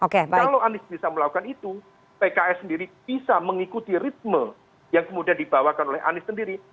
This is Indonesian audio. kalau anies bisa melakukan itu pks sendiri bisa mengikuti ritme yang kemudian dibawakan oleh anies sendiri